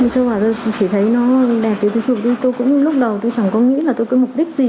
tôi chỉ thấy nó đẹp tôi cũng lúc đầu tôi chẳng có nghĩ là tôi có mục đích gì